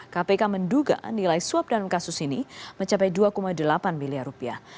kpk menduga nilai suap dalam kasus ini mencapai dua delapan miliar rupiah